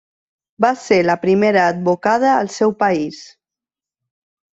Va ser la primera advocada al seu país.